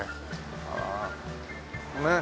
ああねっ。